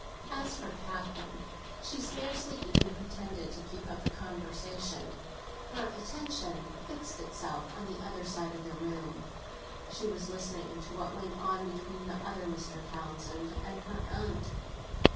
As for Catherine, she scarcely even pretended to keep up the conversation; her attention had fixed itself on the other side of the room; she was listening to what went on between the other Mr. Townsend and her aunt.